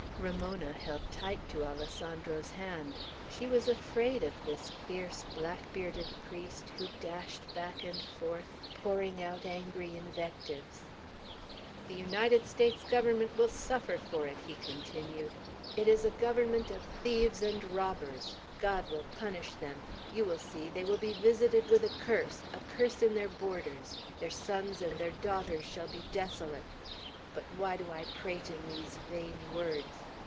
Ramona held tight to Alessandro's hand. She was afraid of this fierce, black bearded priest, who dashed back and forth, pouring out angry invectives. "The United States Government will suffer for it!" he continued. "It is a Government of thieves and robbers! God will punish them. You will see; they will be visited with a curse, a curse in their borders; their sons and their daughters shall be desolate! But why do I prate in these vain words?